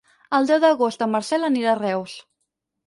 El deu d'agost en Marcel anirà a Reus.